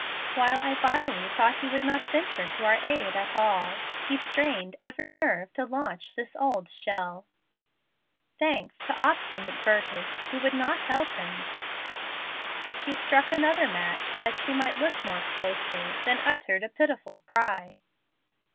"While I vilely thought he would not venture to our aid at all, he strained every nerve to launch this old shell. Thanks to obstinate Burtis, who would not help him." She struck another match, that she might look more closely; then uttered a pitiful cry.